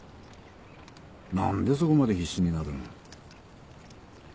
何でそこまで必死になるん？